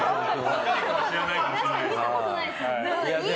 若い子は知らないかもしれない。